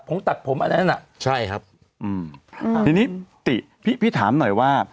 ผมตัดผมอันนั้นอ่ะใช่ครับอืมอ่าทีนี้ติพี่พี่ถามหน่อยว่า